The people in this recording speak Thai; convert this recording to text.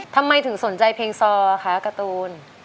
ทำไมถึงสนใจเพลงซอคะการ์ตูน